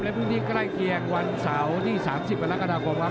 และพวกนี้ใกล้เคียงวันเสาร์ที่๓๐อันละกระดาษความว่า